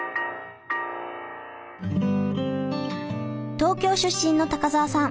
東京出身の高沢さん。